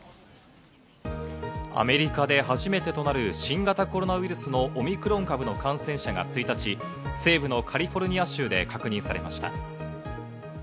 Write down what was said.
アメリカで初めてとなる新型コロナウイルスのオミクロン株の感染者が１日、西部のカリフォルニア州で確認されました。